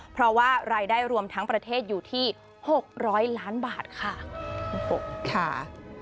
เพราะว่ารายได้รวมทั้งประเทศอยู่ที่๖๐๐ล้านบาทค่ะ